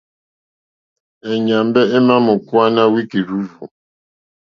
E nyàmbe è ma mò kuwana wiki rzurzù.